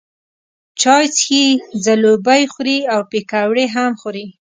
چای څښي، ځلوبۍ خوري او پیکوړې هم خوري.